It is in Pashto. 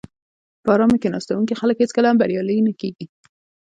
په آرامه کیناستونکي خلک هېڅکله هم بریالي نه کېږي.